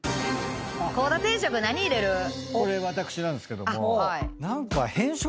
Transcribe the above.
これ私なんですけども。何か。